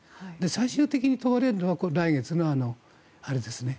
最終的に問われるのは来月のあれですね。